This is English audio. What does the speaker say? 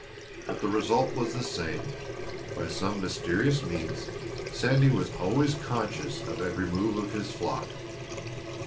But the result was the same; by some mysterious means Sandy was always conscious of every move of his flock.